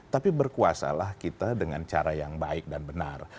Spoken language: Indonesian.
tapi berkuasalah kita dengan cara yang baik dan benar